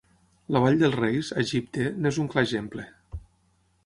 La Vall dels Reis, a Egipte, n'és un clar exemple.